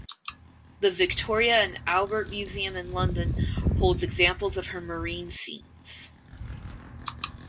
The Victoria and Albert Museum in London holds examples of her marine scenes.